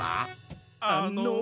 あの。